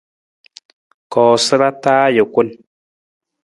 Koosara taa ajukun.